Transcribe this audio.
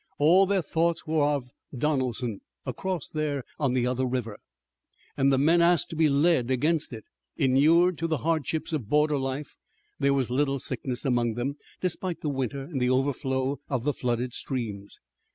All their thoughts were of Donelson, across there on the other river, and the men asked to be led against it. Inured to the hardships of border life, there was little sickness among them, despite the winter and the overflow of the flooded streams.